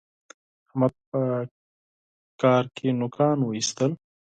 احمد په کار کې نوکان واېستل.